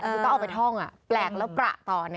คือต้องเอาไปท่องแปลกแล้วประต่อ